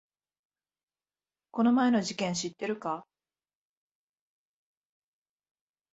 この前の事件知ってるか？